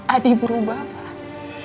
adi berubah pak